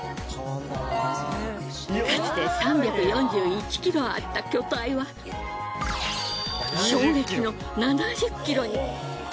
かつて３４１ｋｇあった巨体は衝撃の７０ｋｇに！